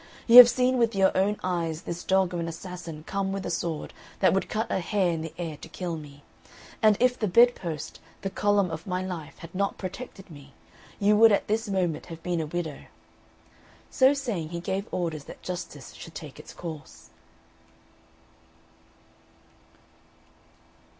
You have seen with your own eyes this dog of an assassin come with a sword that would cut a hair in the air to kill me; and if the bedpost (the column of my life) had not protected me, you would at this moment have been a widow." So saying, he gave orders that justice should take its course.